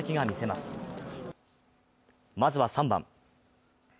まずは３番。